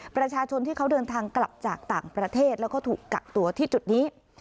ประชาชนที่เขาเดินทางกลับจากต่างประเทศแล้วก็ถูกกักตัวที่จุดนี้